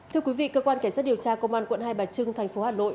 thưa quý vị cơ quan cảnh sát điều tra công an quận hai bà trưng thành phố hà nội